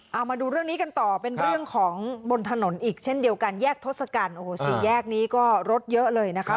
เอามาดูเรื่องนี้กันต่อเป็นเรื่องของบนถนนอีกเช่นเดียวกันแยกทศกัณฐ์โอ้โหสี่แยกนี้ก็รถเยอะเลยนะคะ